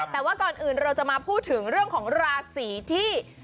แต่ว่าก่อนอื่นเราจะมาพูดถึงเรื่องของราศีที่